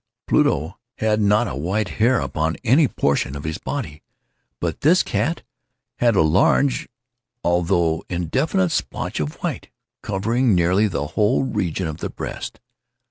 Pluto had not a white hair upon any portion of his body; but this cat had a large, although indefinite splotch of white, covering nearly the whole region of the breast.